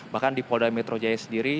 bahkan di polda metro jaya sendiri